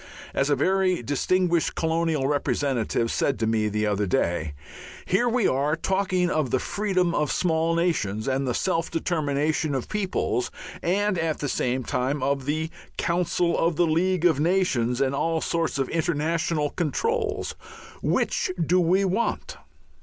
As a very distinguished colonial representative said to me the other day: "Here we are talking of the freedom of small nations and the 'self determination' of peoples, and at the same time of the Council of the League of Nations and all sorts of international controls. Which do we want?"